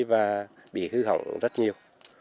và bị hư hỏng rất nhiều